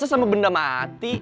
masa sama benda mati